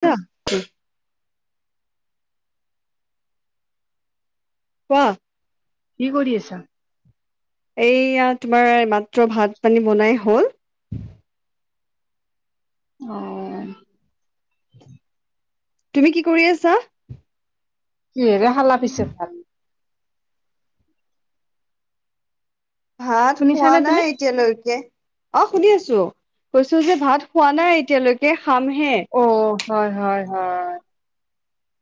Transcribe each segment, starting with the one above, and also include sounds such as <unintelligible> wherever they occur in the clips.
তিয়া কোৱা কি কৰি আছা এইয়া তোমাৰ মাত্ৰ ভাত পানী বনাই হ'ল। অ তুমি কি কৰি আছা? কিহেৰে খালা পিছে ভাত ভাত খোৱা শুনিছানে তুমি? নাই এতিয়ালৈকে অ শুনি আছো কৈছো যে ভাত খোৱা নাই এতিয়ালৈকে খামহে। অ হয় হয় হয়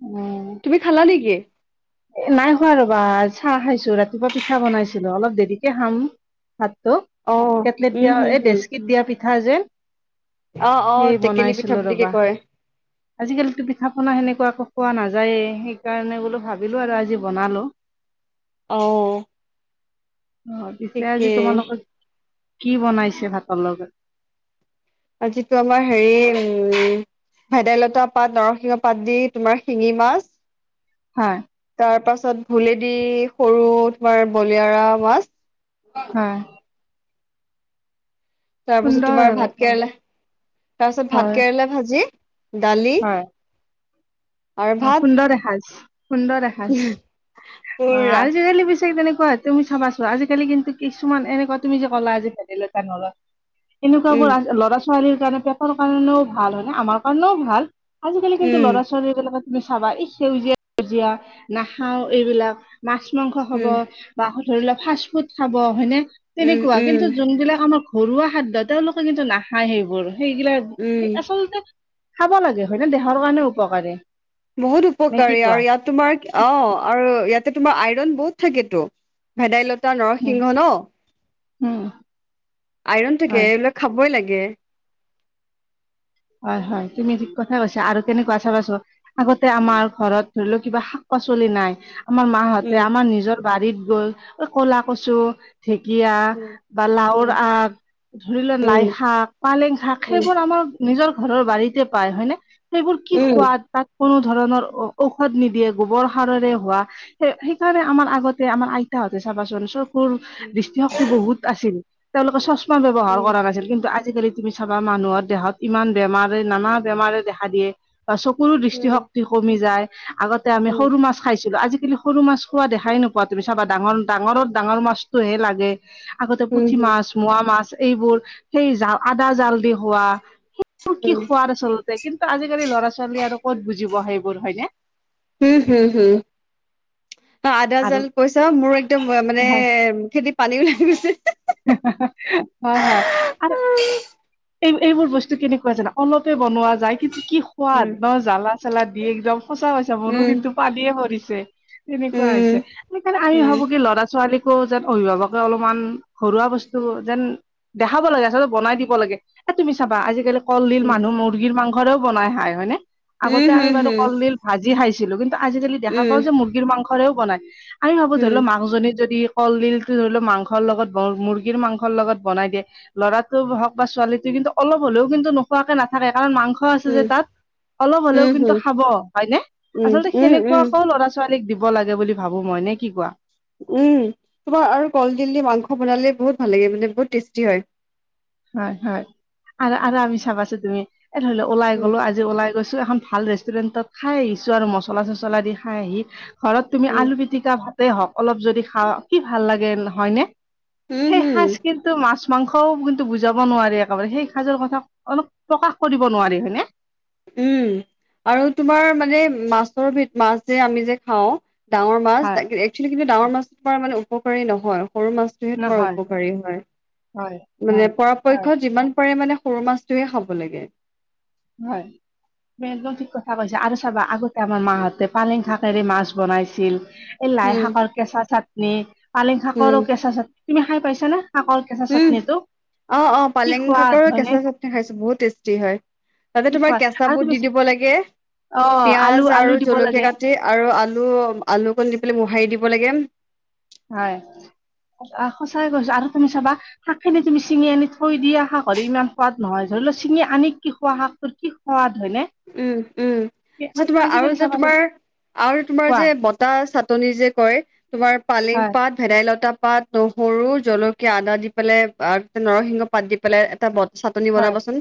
উম। তুমি খালা নেকি? এ নাই খোৱা ৰবা চাহ খাইছো ৰাতিপুৱা পিঠা বনাইছিলো অলপ দেৰিকে খাম। হাতটো অ কেটলেট উম দিয়া হম এই হম দেচকিত দিয়া পিঠা যে অ অ সেই টেকেলি পিঠা বনাইছিলোঁ বুলি কি ৰবা। কয় আজি-কালিতো পিঠা পনা সেনেকুৱা একো খোৱা নাযায়েই সেইকাৰণে বোলো ভা- বিলো আৰু আজি বনালো। অ অ পিছে আজি ঠিকেই তোমালোকত কি বনাইছে ভাতৰ লগত আজিটো আমাৰ হেৰি উম ভেদাইলতা পাত নৰসিংহ পাত দি তোমাৰ শিঙি মাছ- হয়। তাৰ পাছত ভোলেদি সৰু তোমাৰ বলিয়াৰ মাছ- হয়। তাৰ পাছত সুন্দৰ তোমাৰ ভাত হয় কেৰেলা, তাৰপিছত ভাত হয় কেৰেলা ভাজি- দালি- হয় আৰু অ ভাত সুন্দৰ দেখা হৈছে সুন্দৰ দেখা হৈছে, অ পুৰা আজি কালি বেছি তেনেকুৱা হৈছে - তুমি চাবাছো আজিকালি কিন্তু কিছুমান এনেকুৱা তুমি যে কলা আজি ভেদাই লতা নৰসিংহ - এনেকুৱা বোৰ উম ল'ৰা ছোৱালীৰ কাৰণে পেতৰ কাৰণেও ভাল হয়নে আমাৰ কাৰণেও ভাল- আজিকালি কিন্তু উম ল'ৰা ছোৱালী বিলাক- নাখাবা এই সেউজীয়া সেউজীয়া নাখাও এইবিলাক মাছ মাংস খাব- উম বা ধৰি লোৱা ফাষ্ট ফুড খাব হয়নে উম তেনেকুৱা উম কিন্তু যোনবিলাক আমাৰ- ঘৰুৱা খাদ্য তেওঁলোকে কিন্তু নাখায় সেইবোৰ সেইগিলাক স উম আচলতে- খাব লাগে হয় নে দেহৰ কাৰণেও উপকাৰী? বহুত নে কি উপকাৰী কোৱা আৰু ইয়াত তোমাৰ অ আৰু ইয়াতে তোমাৰ আইৰন বহুত থাকেতো। ভেদাইলতা উম নৰসিংহ ন, উম আইৰন থাকে হয় এইবিলাক- খাবই লাগে। হয় হয় তুমি ঠিক কথা কৈছা আৰু কেনেকুৱা চাবাছো- আগতে আমাৰ ঘৰত ধৰি লও কিবা শাক পাচলি নাই- আমাৰ মাহঁতে উম আমাৰ নিজৰ বাৰীত গৈ ঐ কলা কছু- ঢেঁকীয়া, বা লাওৰ উম আগ- ধৰি লোৱা লাই উম শাক পালেং শাক উম সেইবোৰ আমাৰ- নিজৰ ঘৰৰ বাৰীতে পায় হয়নে- সেইবোৰ কি উম সোৱাদ তাত- কোনো ধৰণৰ ঔষধ নিদিয়ে গোবৰ সাৰৰে হোৱা- সে সেইকাৰণে আমাৰ আগতে আমাৰ আইতাহঁতে চাবাচোন চব- দৃষ্টিশক্তি বহুত আছিল তেওঁলোকে চশমা ব্যৱহাৰ উম কৰা নাছিল কিন্তু আজিকালি- তুমি চাবা মানুহৰ দেহত ইমান বেমাৰে নানা বেমাৰে দেখা দিয়ে বা চকুৰো উম দৃষ্টিশক্তি- কমি যায় আগতে আমি উম উম সৰু মাছ খাইছিলো আজিকালি- সৰু মাছ খোৱা দেখাই নোপোৱা তুমি চাবা ডাঙৰ ডাঙৰত ডাঙৰ মাছটোহে লাগে- আগতে উম পুঠি হম মাছ মোৱা মাছ এইবোৰ সেই জাল আদা জাল দি হোৱা- কি উম খোৱাৰ আচলতে কিন্তু আজিকালি ল'ৰা ছোৱালী আৰু ক'ত বুজিব সেইবোৰ হয়নে? উম হুম হুম। অ আদা আৰু জাল পইছা মোৰ একদম মানে হয় খেতিত পানীও লাগি গৈছে। হয় হয় আৰু- উম। এই এইবোৰ বস্তু কেনেকুৱা জানা অলপে বনোৱা যায় কিন্তু কি সোৱাদ উম নহ- জ্বালা চালা দি একদম সোচা হৈছে মোৰো উম কিন্তু পানীয়ে মৰিছে। তেনেকুৱা হৈছে উম, সেইকাৰণে উম, আমি ভাবো কি ল'ৰা ছোৱালী- যেন অভিভাৱকে অলপমান ঘৰুৱা বস্তু যেন দেখাব লাগে আচলতে বনাই দিব লাগে। এ তুমি চাবা আজিকালি কলডিল উম, মানুহ মুৰ্গীৰ মাংসৰেও বনাই খায় হয়নে? উম, আগতে আমি হুম, বাৰু হুম, কলডিল- ভাজি খাইছিলো কিন্তু আজিকালি দেখা উম, পাও যে মুৰ্গীৰ মাংসৰেও বনাই আমি ভাবো ধৰি লও মানুহজনী যদি- কলডিলটো ধৰি লও মাংসৰ লগত মুৰ্গীৰ মাংসৰ লগত বনাই দিয়ে ল'ৰাটো হওক বা ছোৱালীটো- কিন্তু অলপ হলেও কিন্তু নোখোৱাকে নাথাকে কাৰণ মাংস- উম, আছে যে উম, তাত, অলপ হ'লেও উম, হুম, কিন্তু উম, খাব হয়নে আচলতে উম, সেনেকুৱা উম, আকৌ ল'ৰা ছোৱালী - ছোৱালীক দিব লাগে বুলি ভাবো মই নে কি কোৱা? উম তোমাৰ আৰু কলদিলি মাংস বনালে বহুত ভাল লাগে মানে বহুত টেষ্টি হয়। হয় হয় আৰু আৰু আমি চাবাছো তুমি এ ধৰিলেও ওলাই উম, গলো আজ- যে ওলাই গৈছো এখন ভাল ৰেষ্টুৰেণ্টত খাই আহিছো আৰু মচলা চচলা দি খাই আহি ঘৰত তুমি উম, আলু পিতিকা ভাতে হওঁক অলপ যদি খা কি ভাল লাগে, হয়নে? উম, সেই হুম, সাঁজ কিন্তু মাছ মাংসও বুল টো বুজাব নোৱাৰি একেবাৰে সেই সাজৰ কথা অলপ প্ৰকাশ কৰিব নোৱাৰি, হয়নে? উম আৰু তোমাৰ মানে মাছৰ ভিত মাছ যে আমি যে খাওঁ ডাঙৰ মাছ হয় একচুৱেলি কিন্তু ডাঙৰ মাছৰ পৰা মানে উপকাৰী নহয় সৰু মাছ যিহে তোমাৰ নহয় উপকাৰী হয় মানে হয়, পৰাপক্ষ যিমান পাৰে মানে সৰু মাছ টোৱে খাব লাগে। হয়। বেলদ ঠিক কথা কৈছা আৰু চাবা আগতে আমাৰ মাহঁতে পালেং শাকেৰে মাছ বনাইছিল এই লাই উম, শাকৰ কেঁচা চাটনি, পালিং উম, শাকৰো কেঁচা চাটনি তুমি খাই পাইছা না শাকৰ কেঁচা উম, চাটনিটো? অ অ কি পালেং শাকৰো সোৱাদ কেঁচা হয়নে? চাটনি খাইছো বহুত টেষ্টি হয়। তাতে কি তোমাৰ সোৱাদ কেঁচা আৰু বুট তুমি দি চা- দিব লাগে, অ' আলু পিয়াজ আলু আৰু দিব জলকীয়া লাগে কাটি আৰু আলু আলুকণ দি পেলাই মোহাৰি দিব লাগে। হয় আ সচাই কৈছো আৰু তুমি চাবা? শাক খিনি তুমি চিঙি আনি থৈ দিয়া শাকৰি ইমান সোৱাদ নহয় ধৰি লও চিঙি আনি কি খোৱা শাকটো কি সোৱাদ হয়নে? উম উম। এ- য'ত আ- তোমাৰ আৰু আজিকালি এটা চাবাচোন তোমাৰ আৰু তোমাৰ কোৱা যে বত- টা চাটনি যে কয় তোমাৰ পালেং হয়, পাত ভেদাইলতা পাত, নহৰু, জলকীয়া, আদা দি পেলাই আত নৰসিংহ পাত দি পেলাই এটা বত- চাটনি হয়, বনাবাচোন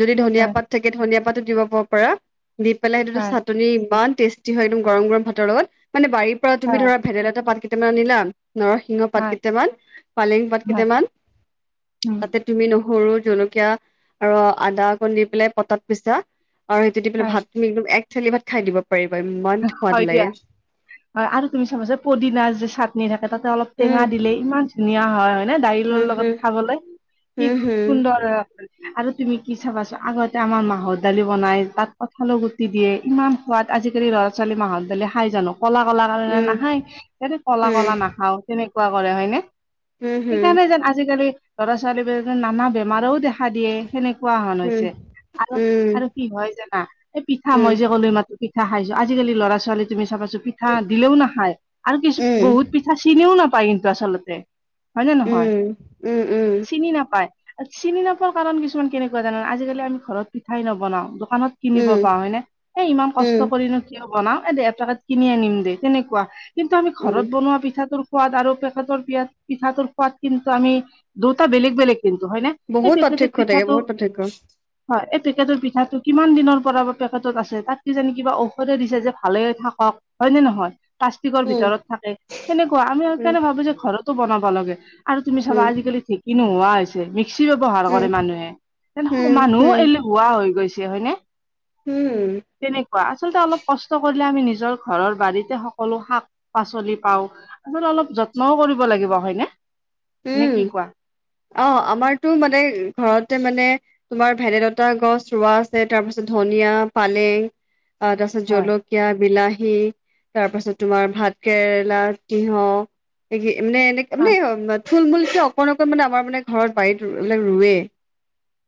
যদি ধনিয়া হয়, পাত থাকে ধনিয়া পাতো দিব পাৰা দি পেলাই সেইটোত হয়, চাট- টনি ইমান টেষ্টি হয় একদম গৰম গৰম ভাতৰ লগত মানে বাৰীৰ পৰা তুমি হয়, ধৰা ভেদাইলাতটা পাত কেইটামান আনিলা, নৰস- সিঙৰ পাত হয়, কেইটামান পালেং পাত হয়, কেইটামান উম, তাতে তুমি নহৰু জলকীয়া আৰু আদা অকণ দি পেলাই পটাত পিছা আৰু সেইটো দি পেলাই হয়। ভাত তুমি একদম এক থেলি ভাত খাই দিব পাৰিবা ইমান হয় সোৱাদ দিয়া। লাগে। হয় আৰু তুমি চাবা যে পদিনা যে চাটনি থাকে তাতে অলপ টেঙা উম দিলে ইমান ধুনীয়া হয় হয়। মানে দাৰিলল উম লগত হম খাবলৈ ই উম হম সুন্দৰ আৰু তুমি কি চাবাচোন আগতে আমাৰ মাহৰ দালি বনাই তাত কঁঠালৰ গুটি দিয়ে ইমান সোৱাদ আজি <unintelligible> ল'ৰা ছোৱালী মাহত দালি খাই জানো ক'লা ক'লা কাৰণে উম নাখায় সেটি ক'লা উম ক'লা নাখাওঁ তেনেকুৱা কৰে হয়নে উম হম সেইকাণে যেন আজিকালি ল'ৰা-ছোৱালী <unintelligible> নানা বেমাৰেও দেখা দিয়ে। সেনেকুৱা হন উম হৈছে আৰু উম উম আৰু কি হয় জানা এই পিঠা মই উম যে কলো এই মাতো পিঠা খাইছো আজিকালি ল'ৰা ছোৱালী তুমি চাবাইছো পিঠা দিলেও নাখায় আৰু কিছু উম উম বহুত পিঠা চিনিও নাপায় কিন্তু আচলতে হয় নে নহয় চিনি নাপায়। চিনি নাপোৱাৰ কাৰণ কিছুমান কেনেকুৱা জানো আজিকালি আমি ঘৰত পিঠাই নবনাও দোকানত কিনিব উম উম পাওঁ হয় নে এ ইমান কষ্ট উম কৰিনো কিয় বনাও এ দে এপাকেত কিনি আনিম দে তেনেকুৱা। কিন্তু আমি উম ঘৰত বনোৱা পিঠাটোৰ সোৱাদ আৰু পেকেতৰ পিয়াত পিঠাটোৰ সোৱাদ কিন্তু আমি দুটা বেলেগ বেলেগ কিন্তু হয় নে? বহুত পাৰ্থক্য থাকে বহুত পাৰ্থক্য। হয় এই পেকেটৰ পিঠাটো কিমান দিনৰ পৰা বা পেকেটত আছে তাত কি জানি কিবা, ঔষধ দিছে যে ভালে থাকক, হয় নে নহয়। প্লাষ্টিকৰ উম ভিতৰত থাকে, তেনেকুৱা আমি উম সেইকাৰণে ভাবিছো যে ঘৰতো বনাব লাগে। আৰু তুমি উম চাবা, আজিকালি ধেকি নোহোৱা হৈ মিক্সি ব্যৱহাৰ উম কৰে মানুহে, উম মানুহ এলে হুৱোৱা হৈ গৈছে হয়নে। উম উম তেনে আচলতে অলপ কষ্ট কৰিলে আমি নিজৰ ঘৰৰ বাৰীতে, সকলো শাক পাচলি পাওঁ। আচল, অলপ যত্নও কৰিব লাগিব, হয়নে? নে উম, কি কোৱা অ, আমাৰতো মানে ঘৰতে মানে তোমাৰ ভেদাইলতা গছ ৰোৱা আছে, তাৰপিছত ধনিয়া পালেং আহ, তাৰপিছত হয় জলক কীয়া, বিলাহী তাৰপাছত তোমাৰ ভাত কেৰেলা তিয়হ। মানে এনেকে হয় মানে থুল মূুলকে অকণ, অকণ, মানে আমাৰ মানে ঘৰত, বাৰীতে ৰুৱে।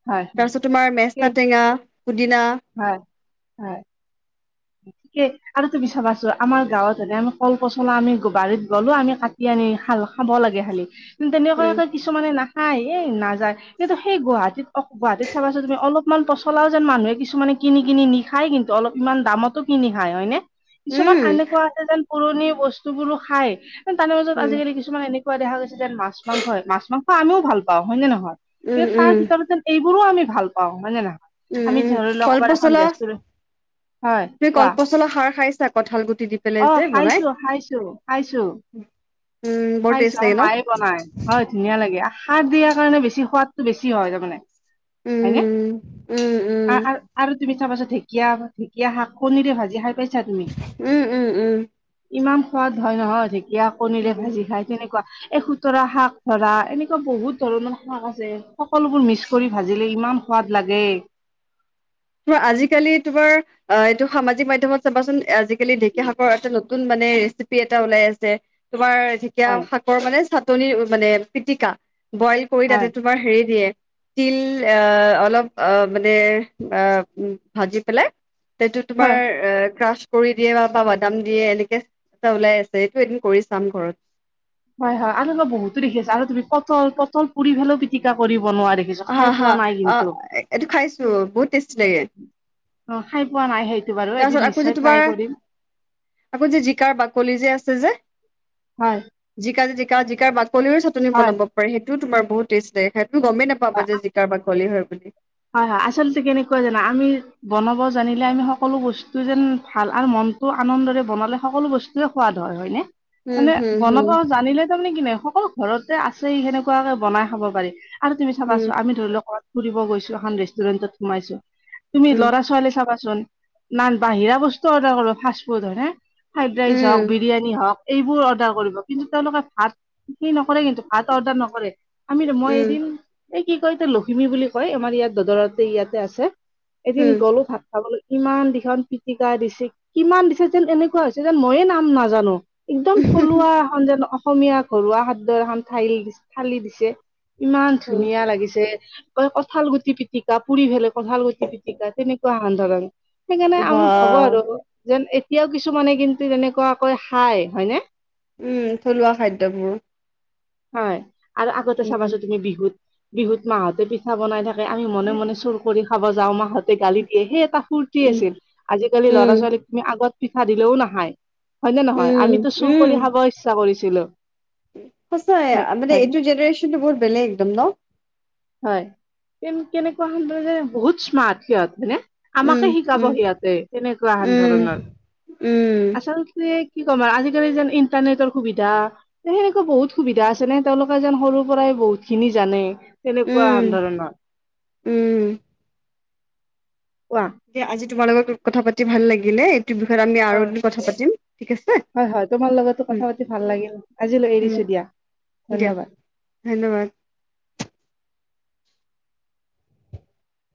হয় হয় তাৰপিছত তোমাৰ মেচাটা, ঠিকেই টেঙা পুদিনা। হয়, হয়। আৰু তুমি চাবাচোন আমাৰ গাঁৱত হনে, আমি কল, পচলা আমি বাৰীত গলোঁ, আমি কাটি কাটি আনি‌ খাব লাগে খালি। উম তেনেকুৱাকে কিছুমানে নাখায়, নাযায় কিন্তু সেই গুৱাহাটীত, গুৱাহাটীত চাবাচোন তুমি অলপ ইমান পচলাও যেন মানুহে কিছুমানে কিনি, কিনি নিখায় কিন্তু অলপ ইমান দামতো কিনি খায়, হয়নে? কিছুমান উম এনেকুৱা আছে যেন পুৰণি বস্তু বোৰো খাই, তাৰে মাজত উম আজিকালি কিছ কিছুমান এনেকুৱা দেখা গৈ যে, মাছ-মাংস হয় মাছ-মাংস আমিও ভাল পাওঁ হয় নে নহয়, উম কিন্তু তাৰ উম ভিতৰত যে এইবোৰো আমি ভাল পাওঁ, হয় নে নহয়, উম আমি উম ধৰি লওক কবাত এখন কলপচলা ৰেষ্টুৰেণ্টত, হয়। কোৱা মছলা সাৰ খাইছা, কঠাল গুটি দি। পেলাই অ, যে বনাই খাইছো, খাইছো, খাইছো। উম বৰ খাইছো টেষ্ট আমাৰ লাগে ন মায়ে বনাই, হয় ধুনীয়া লাগে সাৰ দিয়াৰ কাৰণে বেছি সোৱাদটো বেছি হয়, তাৰ মানে। উম, উম, উম, হয়নে? আৰু তুমি চাবাচোন ঢেঁকীয়া, ঢেকীয়া শাক কণীৰে ভাজি খাই পাইছা তুমি? উম, উম, উম। ইমান সোৱাদ হয় নহয়, ঢেকীয়া কণীৰে উম। ভাজি খায় তেনেকুৱা এ সোতৰা শাক ধৰা, এনেকুৱা বহুত ধৰণৰ শাক আছে সকলোবোৰ মিক্স কৰি ভাজিলে ইমান সোৱাদ লাগে। তোমাৰ, আজিকালি তোমাৰ। অ, এইটো সামাজিক মাধ্যমত চাবাচোন, আজিকালি ঢেকীয়া শাকৰ এটা নতুন মানে ৰেচিপি এটা ওলাই আছে। তোমাৰ ধেকিয়া হয় শাকৰ মানে চাটনি, মানে পিতিকা বইল কৰি হয় তাতে তোমাৰ হেৰি দিয়ে, তিল অলপ অ, মানে অ, ভাজি পেলাই সেইটো তোমাৰ, হয় ক্ৰা কৰি দিয়ে, বা, বা বাদাম দিয়ে, এনেকে এটা ওলাই আছে এইটো এদিন কৰি চাম ঘৰত। হয়, হয়, আৰু এই বহুতো দেখিছো আৰু তুমি পটল, পটল পুৰি পেলেও পিটিকা কৰি বনোৱা দেখিছো। হা, খাই হা, পোৱা নাই অ, কিন্তু এইটো খাইছো, বহুত টেষ্টি লাগে। অ, খাই পোৱা নাই সেইটো বাৰু, এদিন তাৰপিছত আকৌ যে নিশ্চয় তোমাৰ ট্ৰাই কৰিম। আকৌ যে জিকাৰ বাকলি যে, আছে যে হয়। জিকা, জিকা, জিকাৰ বাকলিৰও চাটনি হয় বনাব পাৰে সেইটোও তোমাৰ বহুত টেষ্ট দ, দে সেইটো গমেই নাপাব যে জ কাৰ, বাকলি হয় বুলি। হয়, হয়, আচলতেো কেনেকুৱা জানা, আমি বনাব জানিলে, আমি সকলো বস্তু যেন ভাল, আৰু মনতটো আনন্দৰে বনালে সকলো বস্তু ও, সোৱাদ হয় নে। উম মানে হুম বনাব হুম জানিলে তাৰমানে কি নাই সকলো ঘৰতে আছেই সেনেকুৱাকে বনাই খাব পাৰি আৰু তুমি চাবাচো আমি ধৰি লক ক'বাত ফুৰি গৈছো এখন ৰেষ্টুৰেণ্টত সোমাইছো তুমি উম ল'ৰা ছোৱালী চাবাচোন নান বাহিৰা বস্তু অৰ্ডাৰ কৰ ফাষ্ট ফুড হে ফ্ৰাইড ৰাইচ হওক উম বিৰিয়ানী হওক এইবোৰ অৰ্ডাৰ কৰিব কিন্তু তেওঁলোকে ভাত সেই নকৰে কিন্তু ভাত অৰ্ডাৰ নকৰে আমি মই উম এদিন এই কি কয় এতিয়া লখিমী বুলি কয় আমাৰ ইয়াত দদৰতে ইয়াতে আছে এদিন উম গ'লো ভাত খাবলৈ ইমান দিখন পিটিকা দিছে কিমান দিছে যেন এনেকুৱা হৈছে যেন মইয়ে নাম নাজানো একদম থলুৱা উম এখন জানো অসমীয়া ঘৰুৱা খাদ্যৰ এখন ঠাই থালি দিছে ইমান উম ধুনীয়া লাগিছে ক ক কথালগুটি পিটিকা পুৰি ভেলে কথালগুটি পিটিকা তেনেকুৱা হান ধৰণ সেইকাৰণে আমি বা হ'ব আৰু যেন এতিয়াও কিছুমানে কিন্তু তেনেকুৱাকৈ খাই হয়নে উম থলুৱা খাদ্যবোৰ হয় আৰু আগতে উম চাবাচো তুমি বিহুত বিহুত মাহতে পিঠা বনাই থাক আমি মনে মনে চুৰ কৰি খাব যাওঁ মাহত তে গালি দিয়ে সেই এটা ফূুৰ্তি উম আছিল আজিকালি উম ল'ৰা ছোৱালীক তুমি আগত পিঠা দিলেও নাখায় হয় নে নহয় উম আমিতো চুৰ উম কৰি খাব ইচ্ছা কৰিছিলো সঁচাই হয় মানে হয়নে এইটো জেনেৰেশচনতটো বহুত বেলেগ একদম ন হয় কেনেকুৱা হ যে বহুত স্মাৰ্ট সিহঁত মানে আমাকে উম শিকাব উম সিয়তে তেনেকুৱা আন উম ধৰণৰ উম আচল যে কি ক'ম আৰু আজিকালি যেন ইণ্টাৰনেটৰ সুবিধা তে সেনেকুৱা বহুত সুবিধা আছে নে তেওঁলোকে যেন সৰুৰ পৰাই বহুত খিনি জানে কোৱা সন্দৰণত উম উম কোৱা যে আজি তোমাৰ লগত কথা পাতি ভাল লাগিলে আমি অ আৰু কথা পাতিম ঠিক আ হয় হয় তোমাৰ লগতো কথা পাতি ভাল লাগিল আজিলৈ এৰিছো দিয়া ধন্যবাদ ধন্যবাদ